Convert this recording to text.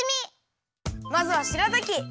まずはしらたき。